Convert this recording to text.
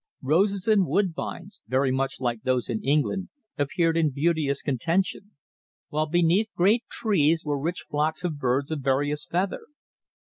Roses and woodbines, very much like those in England, appeared in beauteous contention; while beneath great trees were rich flocks of birds of various feather.